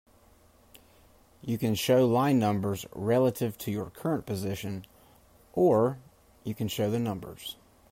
You can show line numbers relative to your current position, or you can show the numbers.